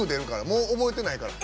もう覚えてないから。